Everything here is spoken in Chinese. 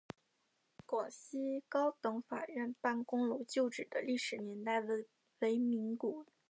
广西高等法院办公楼旧址的历史年代为民国。